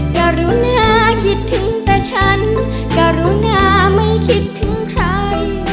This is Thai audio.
กรุณาคิดถึงแต่ฉันกรุณาไม่คิดถึงใคร